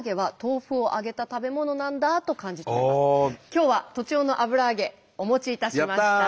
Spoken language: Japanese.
今日は栃尾の油揚げお持ちいたしました。